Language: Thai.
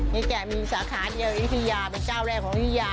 ไม่ได้บ้าง